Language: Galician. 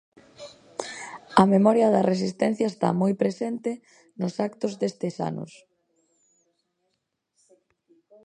A memoria da resistencia está moi presente nos actos deste anos.